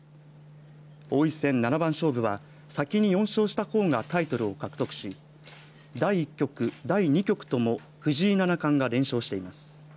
王位戦七番勝負は先に４勝した方がタイトルを獲得し第１局、第２局とも藤井七冠が連勝しています。